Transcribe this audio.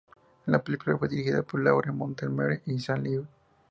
La película fue dirigida por Lauren Montgomery y Sam Liu.